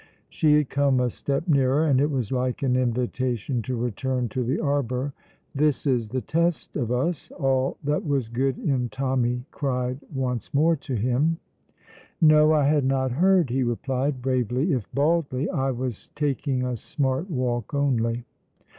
She had come a step nearer, and it was like an invitation to return to the arbour. "This is the test of us!" all that was good in Tommy cried once more to him. "No, I had not heard," he replied, bravely if baldly. "I was taking a smart walk only."